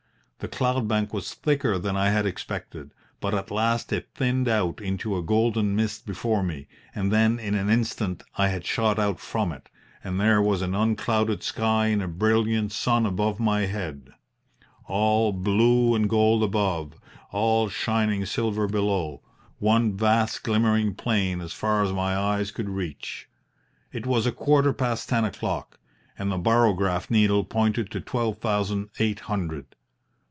The cloud bank was thicker than I had expected, but at last it thinned out into a golden mist before me, and then in an instant I had shot out from it, and there was an unclouded sky and a brilliant sun above my head all blue and gold above, all shining silver below, one vast glimmering plain as far as my eyes could reach. It was a quarter past ten o'clock, and the barograph needle pointed to twelve thousand eight hundred.